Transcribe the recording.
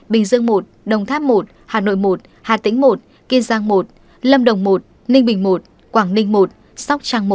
bình dương một đồng tháp một hà nội một hà tĩnh một kiên giang một lâm đồng một ninh bình i quảng ninh một sóc trăng một